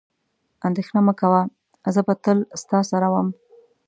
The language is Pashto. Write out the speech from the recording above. اندېښنه مه کوه، زه به تل ستا سره وم.